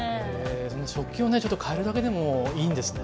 食器をちょっとかえるだけでもいいんですね。